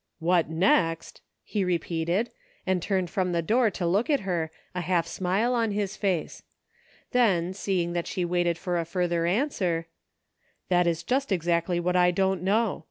" What next !" he repeated, and turned from the door to look at her, a half smile on his face. Then, seeing that she waited for a further answer : "That is just exactly what I don't know.